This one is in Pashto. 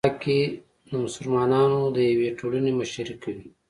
په امریکا کې د مسلمانانو د یوې ټولنې مشري کوي.